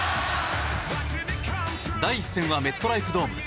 第１戦はメットライフドーム。